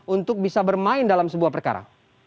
untuk bisa bermain dalam sebuah perkara